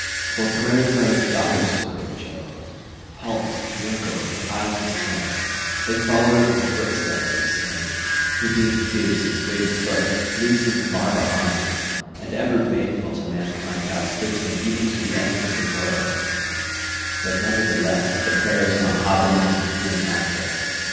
For prayers are as daughters to great Jove; halt, wrinkled, with eyes askance, they follow in the footsteps of sin, who, being fierce and fleet of foot, leaves them far behind him, and ever baneful to mankind outstrips them even to the ends of the world; but nevertheless the prayers come hobbling and healing after.